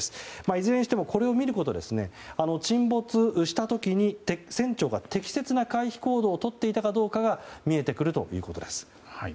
いずれにしてもこれを見ることで沈没した時に船長が適切な回避行動をとっていたかが見えてくるということです。